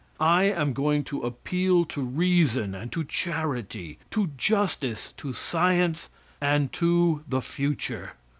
I am going to appeal to reason and to charity, to justice, to science, and to the future.